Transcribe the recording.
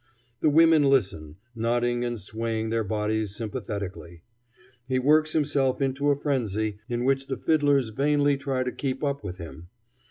The women listen, nodding and swaying their bodies sympathetically. He works himself into a frenzy, in which the fiddlers vainly try to keep up with him.